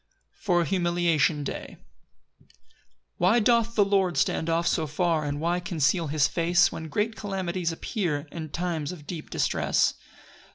For a humiliation day. 1 Why doth the Lord stand off so far, And why conceal his face, When great calamities appear, And times of deep distress?